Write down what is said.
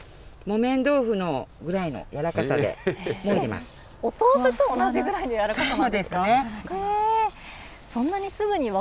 木綿豆腐ぐらいの柔らかさで、もお豆腐と同じぐらいな柔らかそうですね。